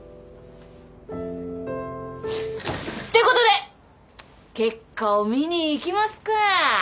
ことで結果を見に行きますか。